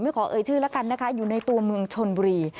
ขอเอ่ยชื่อแล้วกันนะคะอยู่ในตัวเมืองชนบุรี